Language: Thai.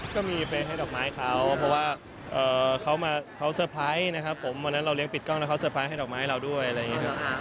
ก็มีไปให้ดอกไม้เขาเพราะว่าเขาเซอร์ไพรส์นะครับผมวันนั้นเราเลี้ยปิดกล้องแล้วเขาเตอร์ไพรสให้ดอกไม้เราด้วยอะไรอย่างนี้ครับ